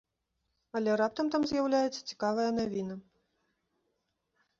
Але раптам там з'яўляецца цікавая навіна.